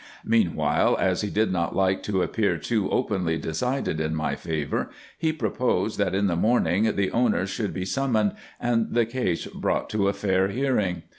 Meanwhile, as he did not like to appear too openly decided in my favour, he proposed that in the morning the owners should be summoned, and the case brought to a fair hearing.